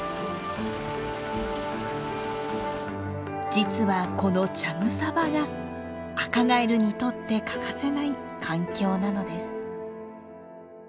実はこの茶草場がアカガエルにとって欠かせない環境なのです。